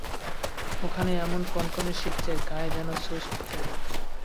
ওখানে এমন কনকনে শীত যে, গায়ে যেন ছুঁচ ফোটে।